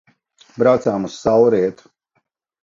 Braucām uz saulrietu.